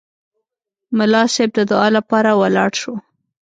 ملا صیب د دعا لپاره ولاړ شو.